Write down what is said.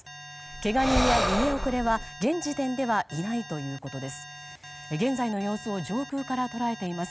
けが人や逃げ遅れは現時点ではいないということです。